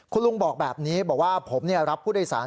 คุณลุงบอกแบบนี้บอกว่าผมรับผู้โดยสาร